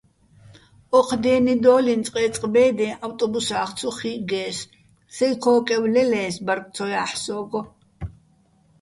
ოჴ დე́ნიდო́ლიჼ წყე́წყ ბე́დეჼ ავტობუსახ ცო ხიჸგეს, სეჲ ქოკევ ლელე́ს ბარგ ცო ჲაჰ̦ე̆ სოგო̆.